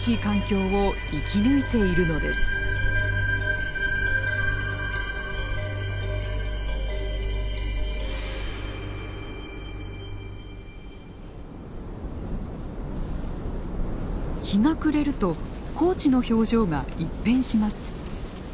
日が暮れると高地の表情が一変します。